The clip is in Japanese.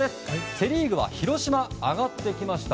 セ・リーグは広島が上がってきました。